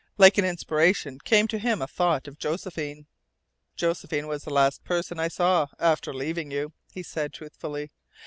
Like an inspiration came to him a thought of Josephine. "Josephine was the last person I saw after leaving you," he said truthfully.